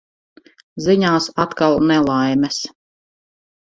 Ziņās atkal nelaimes.